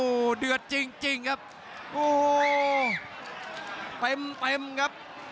โอ้โหโอ้โหโอ้โหโอ้โหโอ้โหโอ้โหโอ้โหโอ้โหโอ้โห